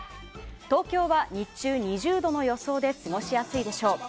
東京は日中、２０度の予想で過ごしやすいでしょう。